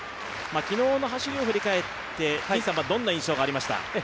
昨日の走りを振り返ってどんな印象がありましたか？